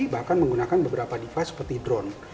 bahkan menggunakan beberapa defa seperti drone